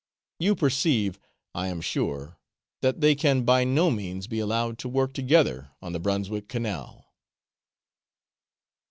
You perceive, I am sure, that they can by no means be allowed to work together on the Brunswick Canal.